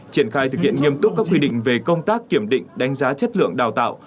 triển khai thực hiện nghiêm túc các quy định về công tác kiểm định đánh giá chất lượng đào tạo